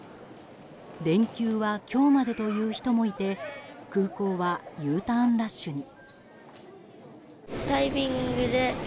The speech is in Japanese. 連休は今日までという人もいて空港はＵターンラッシュに。